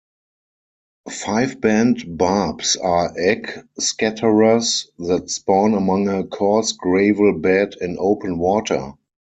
Fiveband barbs are egg-scatterers that spawn among a course gravel bed in open water.